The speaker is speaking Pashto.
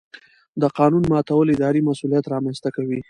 د قانون ماتول اداري مسؤلیت رامنځته کوي.